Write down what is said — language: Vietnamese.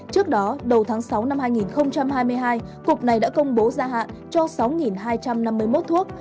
trước đó đầu tháng sáu năm hai nghìn hai mươi hai cục này đã công bố gia hạn cho sáu hai trăm năm mươi một thuốc